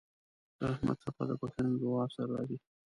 د رحمت څپه د بښنې له دعا سره راځي.